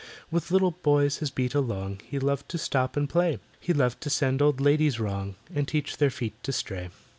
With little boys his beat along He loved to stop and play; He loved to send old ladies wrong, And teach their feet to stray.